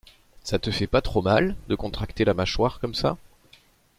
Ça te fait pas trop mal, de contracter la mâchoire comme ça ?